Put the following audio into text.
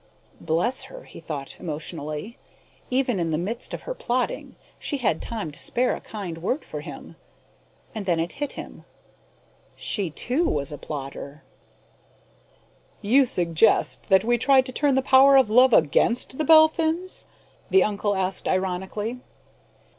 Bless her, he thought emotionally. Even in the midst of her plotting, she had time to spare a kind word for him. And then it hit him: she, too, was a plotter. "You suggest that we try to turn the power of love against the Belphins?" the uncle asked ironically.